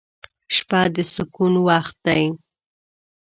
• شپه د سکون وخت دی.